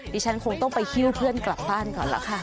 ดิฉันคงต้องไปหิ้วเพื่อนกลับบ้านก่อนล่ะค่ะ